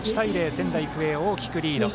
仙台育英、大きくリード。